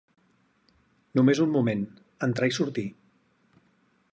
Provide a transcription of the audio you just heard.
Només un moment: entrar i sortir.